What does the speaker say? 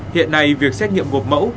hiện nay việc xét nghiệm gộp mẫu